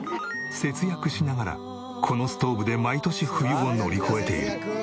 節約しながらこのストーブで毎年冬を乗り越えている。